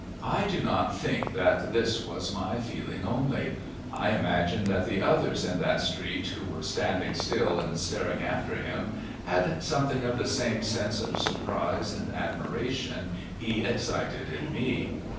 I do not think that this was my feeling only; I imagine that the others in that street who were standing still and staring after him had something of the same sense of surprise and admiration he excited in me.